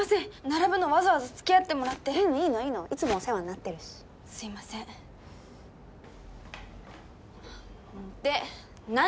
並ぶのわざわざつきあってもらってううんいいのいいのいつもお世話になってるしすいませんで何？